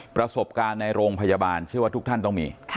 ประสบการณ์ในโรงพยาบาลเชื่อว่าทุกท่านต้องมี